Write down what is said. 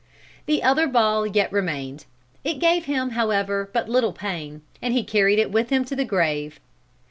"The other ball yet remained. It gave him, however, but little pain, and he carried it with him to the grave.